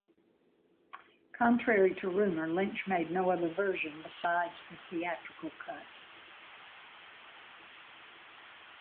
Contrary to rumor, Lynch made no other version besides the theatrical cut.